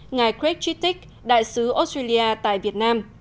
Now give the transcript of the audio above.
ngài craig chittick đại sứ australia tại việt nam